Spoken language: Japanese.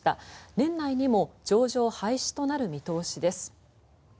年内にも上場廃止となる見通しです。